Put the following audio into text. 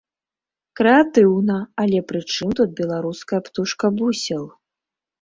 Крэатыўна, але пры чым тут беларуская птушка бусел?